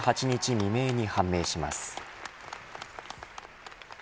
未明に判明します。